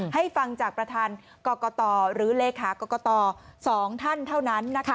ให้ฟังจากประธานกรกตหรือเลขากรกต๒ท่านเท่านั้นนะคะ